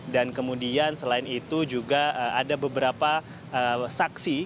dan kemudian selain itu juga ada beberapa saksi